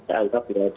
saya juga tidak ada